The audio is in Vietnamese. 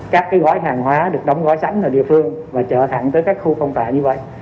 các gói hàng hóa được đóng gói sánh ở địa phương và chở thẳng tới các khu phong tỏa như vậy